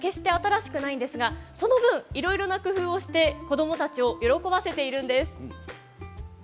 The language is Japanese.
建物は決して新しくないんですがその分いろいろな工夫をして子どもたちを喜ばせているんです。